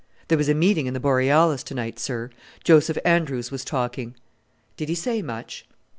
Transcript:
"There was a meeting in the Borealis, to night, sir. Joseph Andrews was talking." "Did he say much?"